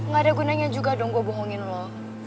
gak ada gunanya juga dong gue bohongin lo